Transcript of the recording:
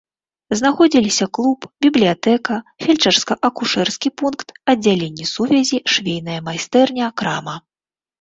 Знаходзіліся клуб, бібліятэка, фельчарска-акушэрскі пункт, аддзяленне сувязі, швейная майстэрня, крама.